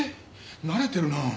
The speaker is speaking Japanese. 慣れてるなぁ。